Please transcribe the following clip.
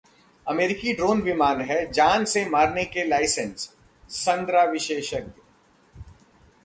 अमेरिकी ड्रोन विमान हैं ‘जान से मारने के लाइसेंस’: संरा विशेषज्ञ